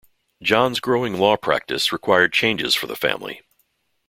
John's growing law practice required changes for the family.